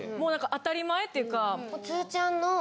当たり前っていうか。